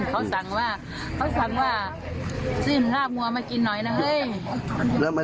เขาสั่งว่าสื่นราบมัวมากินหน่อยนะเฮ้ย